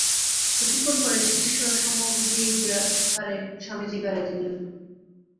কিছুক্ষণ পরে শিষ্য-সমভিব্যাহারে স্বামীজী বেড়াইতে গেলেন।